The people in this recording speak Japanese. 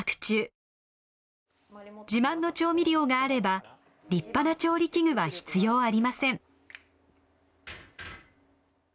自慢の調味料があれば立派な調理器具は必要ありません。